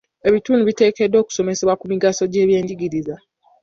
Ebitundu biteekeddwa okusomesebwa ku migaso gy'ebyenjigiriza.